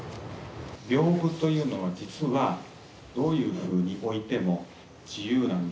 屏風というのは実はどういうふうに置いても自由なんですよ。